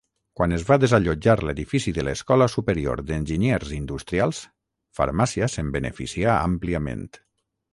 Quan es va desallotjar l'edifici de l'Escola Superior d'Enginyers Industrials, Farmàcia se'n beneficià àmpliament.